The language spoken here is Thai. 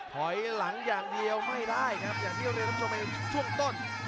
ถอยหลังอย่างเดียวไม่ได้ครับอย่างที่เราเรียนท่านผู้ชมไปช่วงต้น